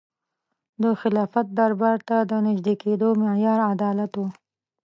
د خلافت دربار ته د نژدې کېدو معیار عدالت و.